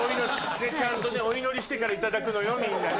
ちゃんとお祈りしてからいただくのよみんなね。